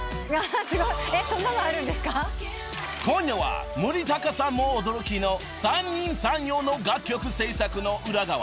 ［今夜は森高さんも驚きの三人三様の楽曲制作の裏側］